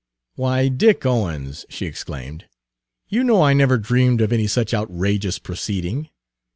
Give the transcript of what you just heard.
"Why, Dick Owens!" she exclaimed. "You know I never dreamed of any such outrageous proceeding.